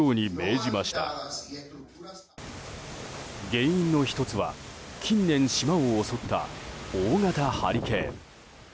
原因の１つは近年、島を襲った大型ハリケーン。